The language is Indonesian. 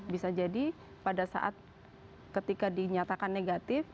bisa jadi pada saat ketika dinyatakan negatif